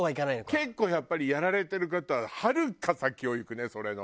結構やっぱりやられてる方ははるか先を行くねそれの。